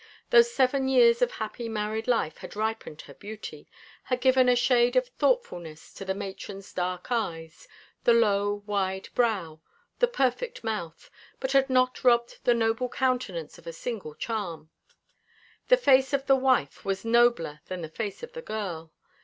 Those seven years of happy married life had ripened her beauty, had given a shade of thoughtfulness to the matron's dark eyes, the low wide brow, the perfect mouth, but had not robbed the noble countenance of a single charm. The face of the wife was nobler than the face of the girl.